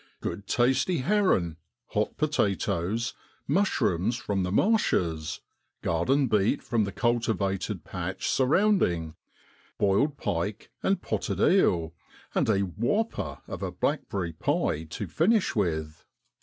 Grood tasty heron, hot potatoes, mushrooms from the marshes, garden beet from the cultivated patch surrounding, boiled pike and potted eel, and a f whopper ' of a blackberry pie to finish with.